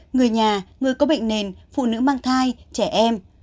người nhà người có bệnh nền phụ nữ mang thai trẻ em